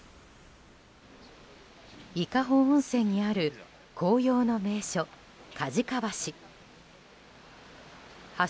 伊香保温泉にある紅葉の名所、河鹿橋。